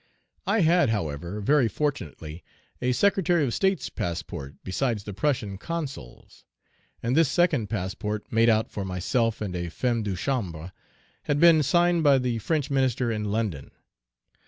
I had, however, very fortunately, a Secretary of State's passport besides the Prussian consul's; and this second passport, made out for myself and a femme de chambre, had been signed by the French minister in London.